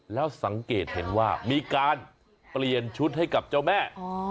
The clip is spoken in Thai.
แล้วสังเกตเห็นว่ามีการเปลี่ยนชุดให้กับเจ้าแม่